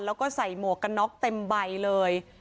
แล้วก็ใส่หมวกกันน็อกเต็มใบเลย